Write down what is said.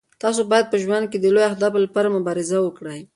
تاسو باید په ژوند کې د لویو اهدافو لپاره مبارزه وکړئ.